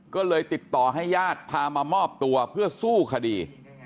ก็เลยติดต่อให้ญาติพามามอบตัวเพื่อสู้คดี